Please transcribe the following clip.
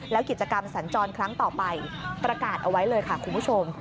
แล้วกิจกรรมสัญจรครั้งต่อไปประกาศเอาไว้เลยค่ะคุณผู้ชม